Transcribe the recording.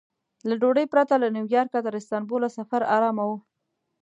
له ډوډۍ پرته له نیویارکه تر استانبوله سفر ارامه و.